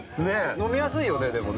飲みやすいよね、でもね。